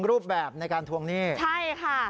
รูปแบบในการทวงหนี้ใช่ค่ะ